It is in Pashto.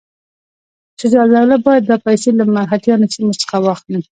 شجاع الدوله باید دا پیسې له مرهټیانو سیمو څخه واخلي.